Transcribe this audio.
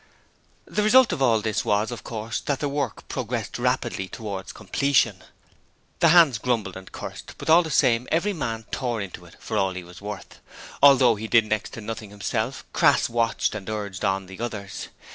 The result of all this was, of course, that the work progressed rapidly towards completion. The hands grumbled and cursed, but all the same every man tore into it for all he was worth. Although he did next to nothing himself, Crass watched and urged on the others.